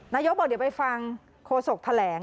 นายกบอกเดี๋ยวไปฟังโฆษกแถลง